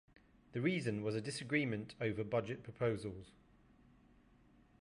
The reason was a disagreement over budget proposals.